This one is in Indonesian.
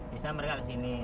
bisa mereka disini